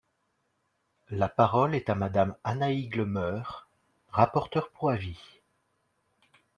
La parole est à Madame Annaïg Le Meur, rapporteure pour avis.